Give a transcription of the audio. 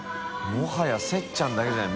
もはやせっちゃんだけじゃない。